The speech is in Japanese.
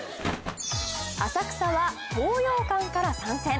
浅草は東洋館から参戦。